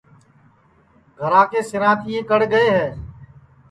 گھرا کے سِراتئے کڑ گئے ہے